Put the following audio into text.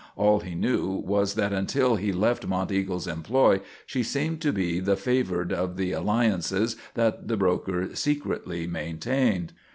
All he knew was that until he left Monteagle's employ she seemed to be the favoured of the alliances that the broker secretly maintained.